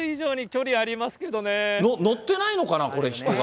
乗ってないのかな、人が。